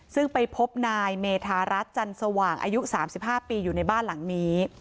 ซึ่งไปพบนายเมธารัฐจันสว่างอายุ๓๕ปีอยู่ในบ้านหลังนี้